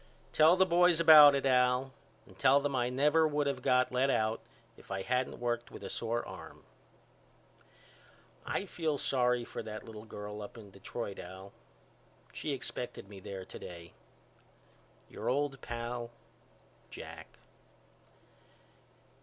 Tell the boys about it Al and tell them I never would of got let out if I hadn't worked with a sore arm. I feel sorry for that little girl up in Detroit Al. She expected me there today. Your old pal, JACK.